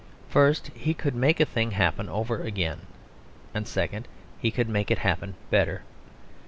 First, he could make a thing happen over again; and second, he could make it happen better.